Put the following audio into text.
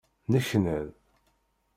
Nneknan.